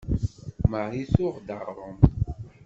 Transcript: Marie tuɣ-d aɣrum.